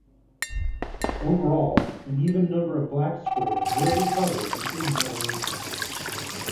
Overall, an even number of black squares will be covered in any arrangement.